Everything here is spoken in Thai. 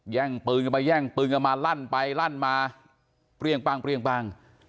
แย่งปืนกันไปแย่งปืนกันมาลั่นไปลั่นมาเปรี้ยงปั้งเปรี้ยงปั้ง